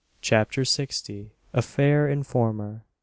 CHAPTER SIXTY. A FAIR INFORMER.